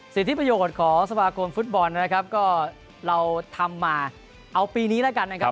สิทธิประโยชน์ของสมาคมฟุตบอลนะครับก็เราทำมาเอาปีนี้แล้วกันนะครับ